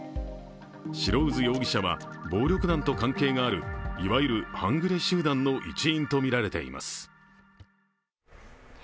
白水容疑者は暴力団と関係がある、いわゆる半グレ集団の一員とみられています。